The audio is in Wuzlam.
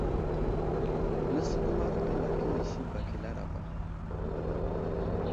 Nəsəkəmaro təmbak inisi bak i laraba.